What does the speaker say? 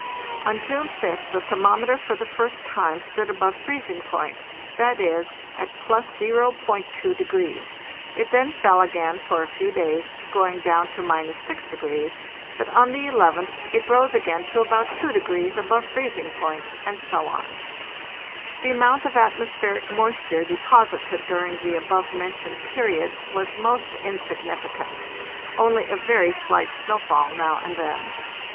On June 5th the thermometer for the first time stood above freezing point—viz., at +0.2°. It then fell again for a few days, soing down to —6°; but on the 11th it rose again to about 2° above freezing point, and so on. The amount of atmospheric moisture deposited during the above mentioned period was most insignificant ; only a very slight snowfall now and then.